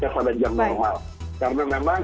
pada jam normal karena memang